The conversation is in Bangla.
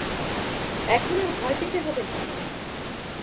এখন আর ভয় পেতে হবে না।